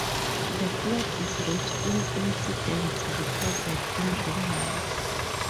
The plot is rich in incidents recorded in real life.